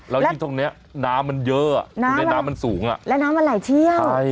แล้วยิ่งตรงนี้น้ำมันเยอะน้ำมันสูงอ่ะแล้วน้ำมันไหลเชี่ยวใช่